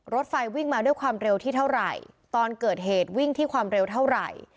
รถไฟวิ่งมาด้วยความเร็วที่เท่าไหร่ตอนเกิดเหตุวิ่งที่ความเร็วเท่าไหร่